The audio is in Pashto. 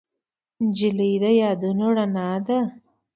نجلۍ د یادونو رڼا ده.